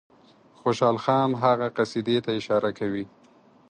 خوشحال خان هغه قصیدې ته اشاره کوي.